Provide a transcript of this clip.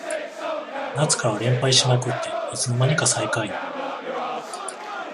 夏から連敗しまくっていつの間にか最下位